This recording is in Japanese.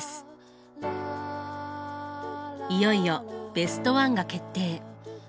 いよいよベスト１が決定。